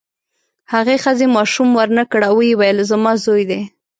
هغې ښځې ماشوم ورنکړ او ویې ویل زما زوی دی.